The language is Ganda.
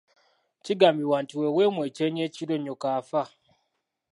Kigambibwa nti bwe weemwa ekyenyi ekiro nnyoko afa.